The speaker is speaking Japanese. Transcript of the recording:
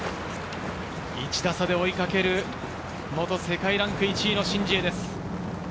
１打差で追いかける元世界ランク１位のシン・ジエです。